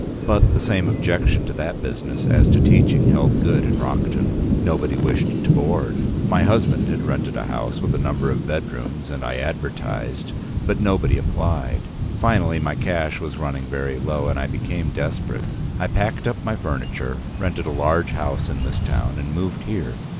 But the same objection to that business as to teaching held good in Rockton. Nobody wished to board. My husband had rented a house with a number of bedrooms, and I advertised, but nobody applied. Finally my cash was running very low, and I became desperate. I packed up my furniture, rented a large house in this town and moved here.